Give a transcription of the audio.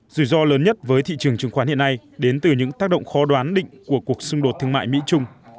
rủi ro lớn nhất với thị trường chứng khoán hiện nay đến từ những tác động khó đoán định của cuộc xung đột thương mại mỹ trung